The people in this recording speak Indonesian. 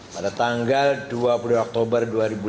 pada tanggal dua puluh oktober dua ribu lima belas